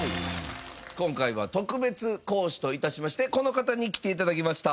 今回は特別講師と致しましてこの方に来て頂きました。